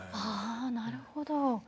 ああなるほど。